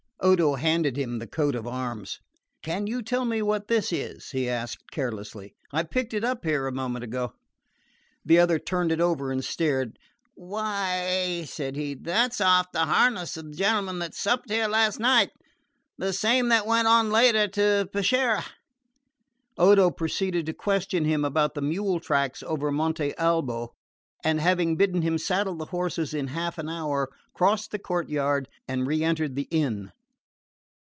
Odo handed him the coat of arms. "Can you tell me what this is?" he asked carelessly. "I picked it up here a moment ago." The other turned it over and stared. "Why," said he, "that's off the harness of the gentleman that supped here last night the same that went on later to Peschiera." Odo proceeded to question him about the mule tracks over Monte Baldo, and having bidden him saddle the horses in half an hour, crossed the courtyard and re entered the inn.